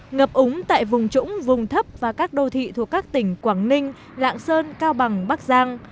ngập úng tại vùng trũng vùng thấp và các đô thị thuộc các tỉnh quảng ninh lạng sơn cao bằng bắc giang